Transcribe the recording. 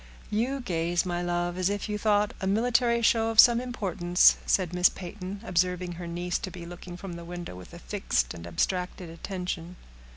"You gaze, my love, as if you thought a military show of some importance," said Miss Peyton, observing her niece to be looking from the window with a fixed and abstracted attention.